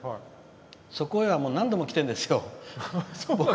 そこへは何度も来てるんですよ。